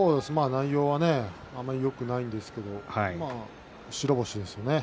内容はあまりよくないんですが白星ですね。